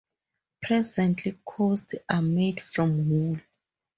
Presently coats are made from wool.